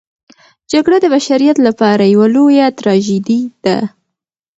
جګړه د بشریت لپاره یوه لویه تراژیدي ده.